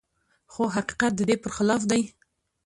خو حقيقت د دې پرخلاف دی.